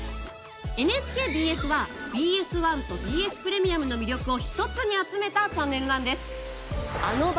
ＮＨＫＢＳはＢＳ１とＢＳプレミアムの魅力を一つに集めたチャンネルなんです。